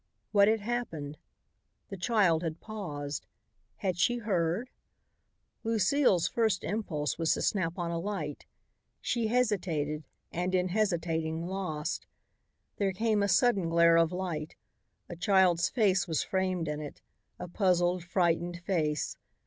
What had happened? the child had paused. Had she heard? Lucile's first impulse was to snap on a light. She hesitated and in hesitating lost. There came a sudden glare of light. A child's face was framed in it, a puzzled, frightened face.